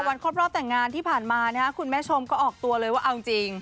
วันครบรอบแต่งงานที่ผ่านมาคุณแม่ชมก็ออกตัวเลยว่าเอาจริง